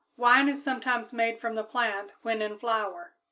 Wine is sometimes made from the plant when in flower.